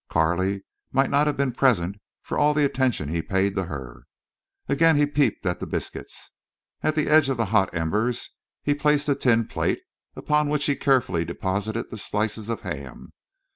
Carley might not have been present, for all the attention he paid to her. Again he peeped at the biscuits. At the edge of the hot embers he placed a tin plate, upon which he carefully deposited the slices of ham.